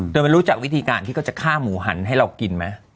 เดี๋ยวมันรู้จักวิธีการที่ก็จะฆ่าหมูหันให้เรากินมั้ย